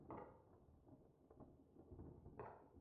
এদের ধরলে পুরো শহরের সিস্টেম ভেঙে পড়বে।